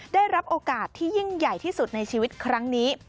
ได้รับโอกาสที่ยิ่งใหญ่ที่สุดในชีวิตครั้งนี้